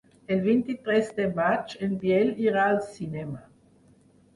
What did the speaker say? El vint-i-tres de maig en Biel irà al cinema.